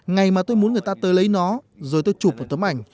ngày mà tôi muốn người ta tới lấy nó rồi tôi chụp một tấm ảnh